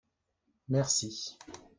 Merci